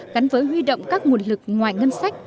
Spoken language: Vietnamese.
gắn với huy động các nguồn lực ngoài ngân sách